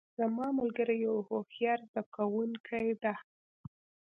زما ملګری یو هوښیار زده کوونکی ده